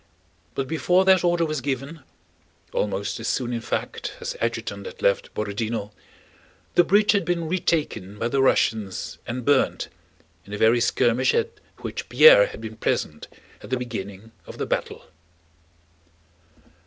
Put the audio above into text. But before that order was given—almost as soon in fact as the adjutant had left Borodinó—the bridge had been retaken by the Russians and burned, in the very skirmish at which Pierre had been present at the beginning of the battle.